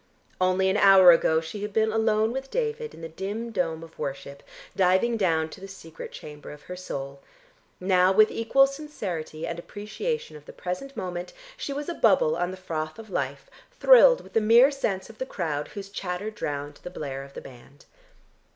Only an hour ago she had been alone with David in the dim dome of worship, diving down to the secret chamber of her soul; now with equal sincerity and appreciation of the present moment she was a bubble on the froth of life thrilled with the mere sense of the crowd whose chatter drowned the blare of the band.